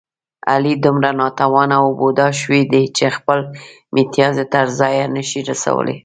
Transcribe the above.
علي دومره ناتوانه و بوډا شوی دی، چې خپل متیازې تر ځایه نشي رسولی.